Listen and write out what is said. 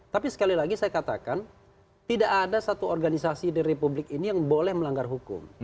tapi sekali lagi saya katakan tidak ada satu organisasi di republik ini yang boleh melanggar hukum